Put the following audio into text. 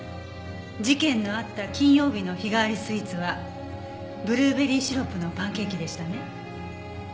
事件のあった金曜日の日替わりスイーツはブルーベリーシロップのパンケーキでしたね。